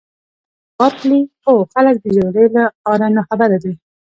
مس بارکلي: هو خلک د جګړې له آره ناخبره دي.